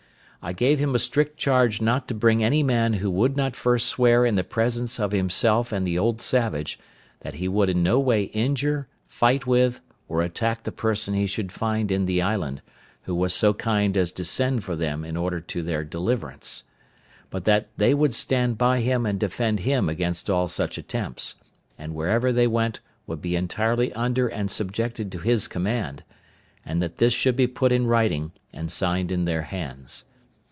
I gave him a strict charge not to bring any man who would not first swear in the presence of himself and the old savage that he would in no way injure, fight with, or attack the person he should find in the island, who was so kind as to send for them in order to their deliverance; but that they would stand by him and defend him against all such attempts, and wherever they went would be entirely under and subjected to his command; and that this should be put in writing, and signed in their hands.